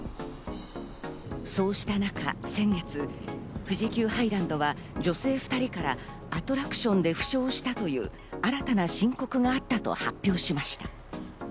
そうしたなか先月、富士急ハイランドは女性２人からアトラクションで負傷したという新たな申告があったと発表しました。